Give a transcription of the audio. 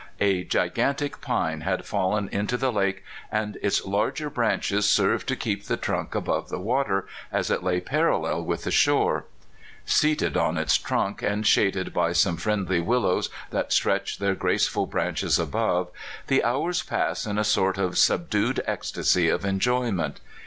A gigantic pine had fallen into the lake, and its larger branches served to keep the trunk above the water as it lay parallel with the shore. Seated on its trunk, and shaded by some friendly willows that stretch their graceful branches above, the hours pass in a sort of subdued ecstasy of en joyment.